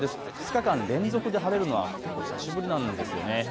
２日間連続で晴れるのは結構久しぶりなんです。